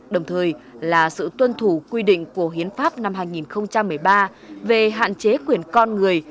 đồng thời là sự tuân thủ quy định của hiến pháp năm hai nghìn một mươi ba về hạn chế quyền con người